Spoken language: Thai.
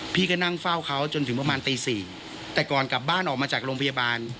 พี่ก็นั่งเฝ้าเขาจนถึงประมาณตีสี่แต่ก่อนกลับบ้านออกมาจากโรงพยาบาล